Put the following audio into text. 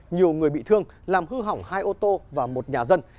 nhiều người bị thương làm hư hỏng hai ô tô và một nhà dân